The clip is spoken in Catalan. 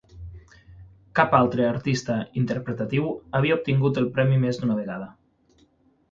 Cap altre artista interpretatiu havia obtingut el premi més d'una vegada.